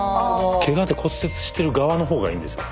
ケガで骨折してる側のほうがいいんですよ。